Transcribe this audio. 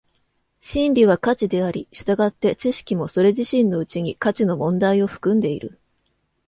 真理は価値であり、従って知識もそれ自身のうちに価値の問題を含んでいる。